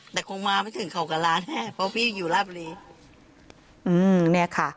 แต่คงมาไม่ถึงเขากับร้านแน่เพราะพี่อยู่ราบรีอืมเนี่ยค่ะ